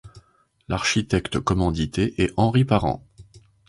L'architecte commandité est Henri Parent.